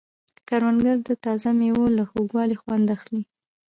کروندګر د تازه مېوو له خوږوالي خوند اخلي